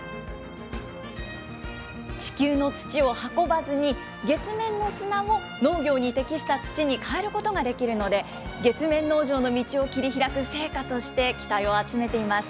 地球の土を運ばずに、月面の砂を農業に適した土に変えることができるので、月面農場の道を切り開く成果として期待を集めています。